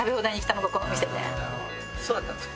そうだったんですか。